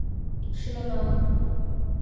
吃了吗